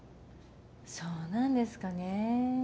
そうなんですかね。